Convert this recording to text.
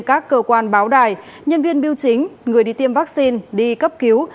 các cơ quan báo đài nhân viên biêu chính người đi tiêm vaccine đi cấp cứu